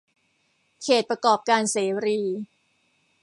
เขตประกอบการเสรี